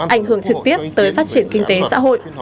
ảnh hưởng trực tiếp tới phát triển kinh tế xã hội